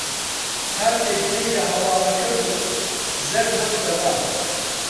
کاتێک گوێی لە ھەواڵەکە بوو، زەرد ھەڵگەڕا.